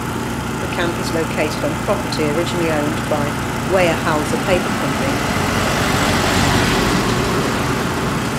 The camp is located on property originally owned by Weyerhauser Paper Company.